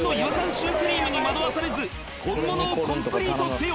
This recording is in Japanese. シュークリームに惑わされず本物をコンプリートせよ！